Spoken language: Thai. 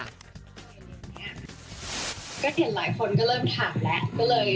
ก็เห็นหลายคนก็เริ่มถามแล้ว